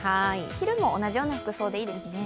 昼も同じような服装でいいですね。